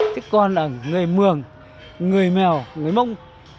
thế còn là người mường người mèo người mông